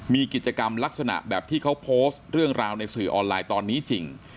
มีกิจกรรมลักษณะแบบที่เขาโพสต์เรื่องราวในสื่อออนไลน์ตอนนี้จริง